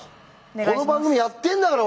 この番組やってんだから！